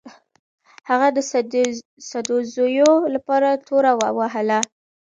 هغه د سدوزیو لپاره توره ووهله.